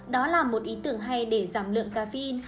đó là một ý tưởng hay để giảm lượng caffeine